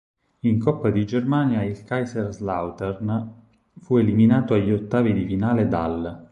In coppa di Germania il Kaiserslautern fu eliminato agli ottavi di finale dall'.